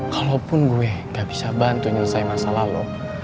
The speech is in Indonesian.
kalaupun gue gak bisa bantu nyelesai masalah lo